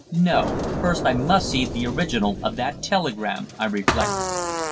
No, first I must see the original of that telegram, I reflected.